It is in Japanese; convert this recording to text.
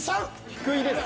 低いです。